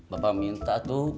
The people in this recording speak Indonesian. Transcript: bapak minta tuh